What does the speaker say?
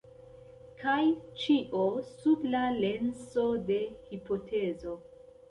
Kaj ĉio sub la lenso de hipotezo.